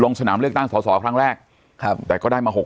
ลงสนามเลื่อกตั้งอนนั้นแรกครับแต่ก็ได้มา๖หน่อย